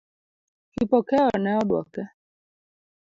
Kipokeo ne oduoke.